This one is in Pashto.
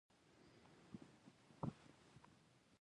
آیا دوی خپل هیواد نه جوړوي؟